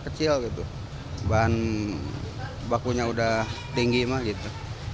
kecil gitu bahan bakunya udah tinggi mah gitu